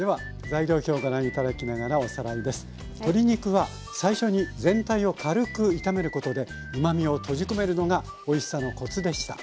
鶏肉は最初に全体を軽く炒めることでうまみを閉じ込めるのがおいしさのコツでした。